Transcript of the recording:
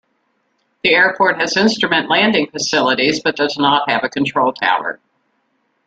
The airport has instrument landing facilities, but does not have a control tower.